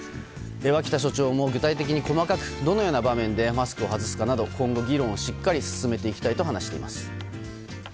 脇田所長も具体的に細かくどのような場面でマスクを外すかなど今後、議論をしっかり進めていきたいと話しています。